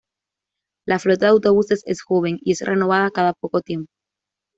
La flota de autobuses es joven, y es renovada cada poco tiempo.